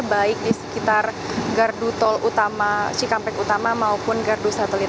baik di sekitar gardu tol utama cikampek utama maupun gardu satelit